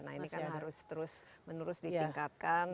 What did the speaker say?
nah ini kan harus terus menerus ditingkatkan